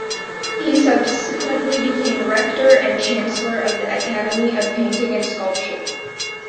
He subsequently became rector and chancellor of the Academy of Painting and Sculpture.